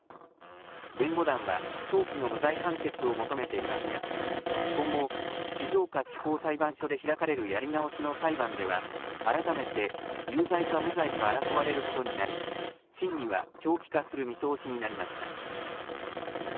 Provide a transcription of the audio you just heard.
弁護団は、早期の無罪判決を求めていますが、今後、静岡地方裁判所で開かれるやり直しの裁判では、改めて有罪か無罪か争われることになり、審理は長期化する見通しになりました。